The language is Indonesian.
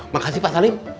makasih pak salim